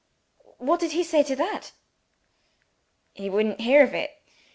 "What did he say to that?" "He wouldn't hear of it.